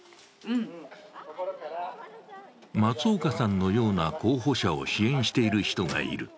松岡さんのような候補者を支援している人がいる。